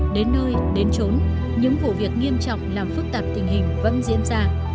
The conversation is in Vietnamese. đến nơi đến trốn những vụ việc nghiêm trọng làm phức tạp tình hình vẫn diễn ra